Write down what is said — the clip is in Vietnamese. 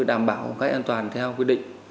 đảm bảo an toàn theo quy định